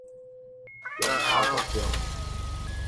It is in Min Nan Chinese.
忠孝國中